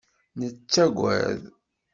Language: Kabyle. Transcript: Nettagad.